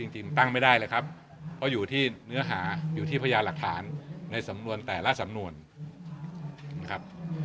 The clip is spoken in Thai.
จริงตั้งไม่ได้เลยครับเพราะอยู่ที่เนื้อหาอยู่ที่พยานหลักฐานในสำนวนแต่ละสำนวนนะครับ